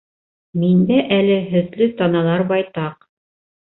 Миндә әле һөтлө таналар байтаҡ.